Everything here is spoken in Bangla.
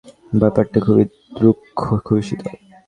ব্যাপারটা খুবই রূঢ়, খুবই শীতল।